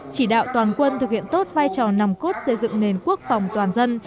chỉ đạo toàn quân thực hiện tốt vai trò nằm cốt xây dựng nền quốc phòng toàn dân